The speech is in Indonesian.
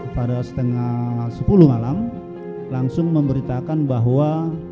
pada setengah sepuluh malam langsung memberitakan bahwa